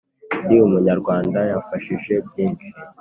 Ndi Umunyarwanda yafashije byinshi.